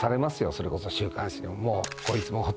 それこそ週刊誌でも。